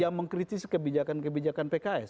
yang mengkritis kebijakan kebijakan pks